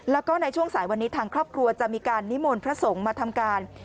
แล้วก็ในช่วงสายวันนี้ทางครอบครัวจะมีการนิมนต์พระสงฆ์มาทำการ